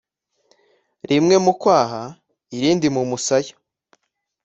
rimwe mu kwaha irindi mu musaya